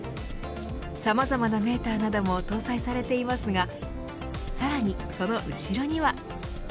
さまざまなメーターなども搭載されていますがさらにその後ろには。